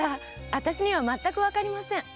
私にはまったくわかりません。